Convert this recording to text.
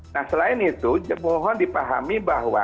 nah selain itu mohon dipahami bahwa